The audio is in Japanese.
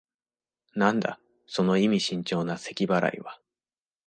なんだ、その意味深長なせき払いは。